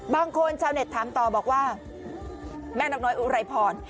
บางคนชาวเน็ตถามต่อบอกว่าแม่น้องน้อยอุ่นไรพร